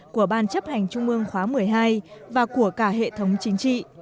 của ban chấp hành trung ương khóa một mươi hai và của cả hệ thống chính trị